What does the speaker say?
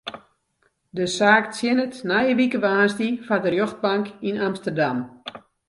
De saak tsjinnet nije wike woansdei foar de rjochtbank yn Amsterdam.